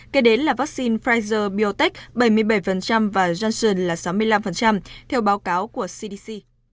kế đến là vaccine pfizer biotech bảy mươi bảy và johnson là sáu mươi năm theo báo cáo của cdc